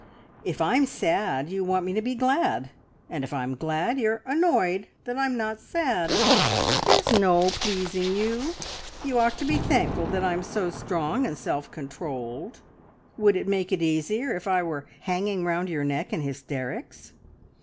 "If I'm sad you want me to be glad, and if I'm glad you're annoyed that I'm not sad! There's no pleasing you! You ought to be thankful that I'm so strong and self controlled. ... Would it make it easier; if I were hanging round your neck in hysterics?"